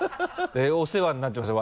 お世話になってますよ